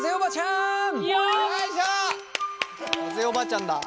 おばあちゃんだ。